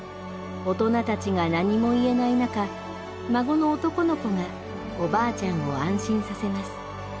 大人たちが何も言えない中孫の男の子がおばあちゃんを安心させます。